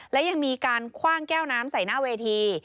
และยังมีการคว่างแก้วน้ำใส่หน้าเวที